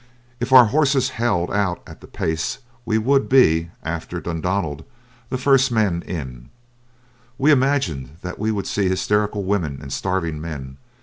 If our horses held out at the pace, we would be after Dundonald the first men in. We imagined that we would see hysterical women and starving men.